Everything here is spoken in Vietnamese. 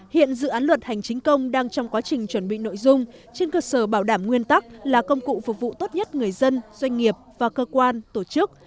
hiện dự án luật hành chính công đang trong quá trình chuẩn bị nội dung trên cơ sở bảo đảm nguyên tắc là công cụ phục vụ tốt nhất người dân doanh nghiệp và cơ quan tổ chức